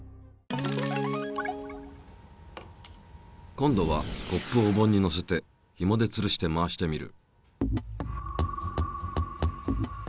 今度はコップをおぼんにのせてひもでつるして回してみる。